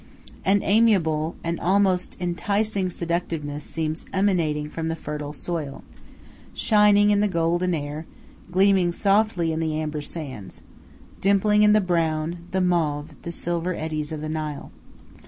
An amiable, an almost enticing seductiveness seems emanating from the fertile soil, shining in the golden air, gleaming softly in the amber sands, dimpling in the brown, the mauve, the silver eddies of the Nile.